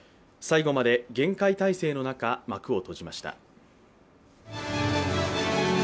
最後まで厳戒態勢の中、幕を閉じました。